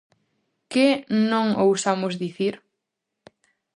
Que non ousamos dicir?